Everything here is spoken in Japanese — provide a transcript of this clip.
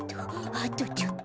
あとちょっと。